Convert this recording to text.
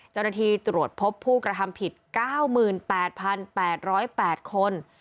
เจ้าหน้าที่ตรวจพบผู้กระทำผิด๙๘๘๐๘คน